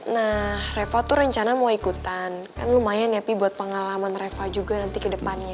nah reva tuh rencana mau ikutan kan lumayan ya pi buat pengalaman reva juga nanti ke depannya